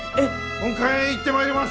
本館へ行ってまいります！